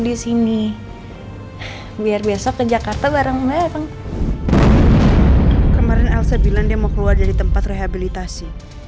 di sini biar besok ke jakarta bareng saya kemarin elsa bilang dia mau keluar dari tempat rehabilitasi